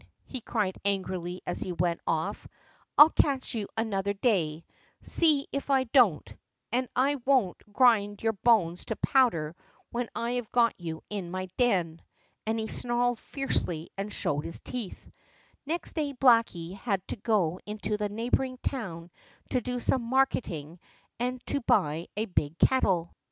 he cried angrily as he went off. "I'll catch you another day, see if I don't; and won't I grind your bones to powder when I have got you in my den!" And he snarled fiercely and showed his teeth. Next day Blacky had to go into the neighboring town to do some marketing and to buy a big kettle.